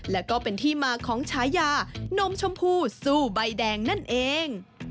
และก็เป็นที่มาของฉายานมชมพูสู้ใบแดงนั่นเอง